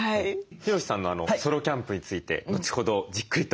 ヒロシさんのソロキャンプについて後ほどじっくりと伺ってまいります。